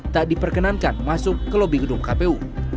tak diperkenankan masuk ke lobi gedung kpu